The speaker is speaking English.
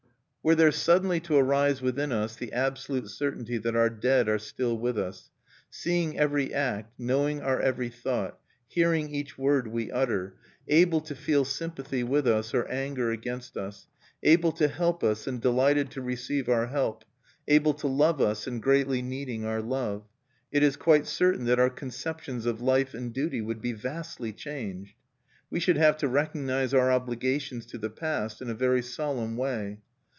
Were there suddenly to arise within us the absolute certainty that our dead are still with us, seeing every act, knowing our every thought, hearing each word we utter, able to feel sympathy with us or anger against us, able to help us and delighted to receive our help, able to love us and greatly needing our love, it is quite certain that our conceptions of life and duty would be vastly changed. We should have to recognize our obligations to the past in a very solemn way.